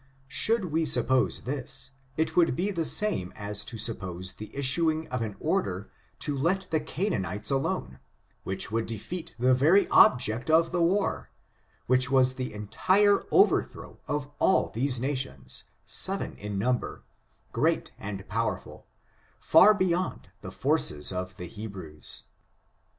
Should we suppose this, it would be the same as to suppose the issuing of an order to let the Canaanites alone, which would defeat the very object of the war — which was the entire overthrow of all those nations, seven in number, great and powerful, far beyond the forces of the Hebrews.